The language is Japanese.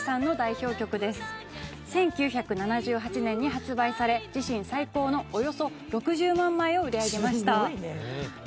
１９７８年に発売され自身最高のおよそ６０万枚を売り上げました。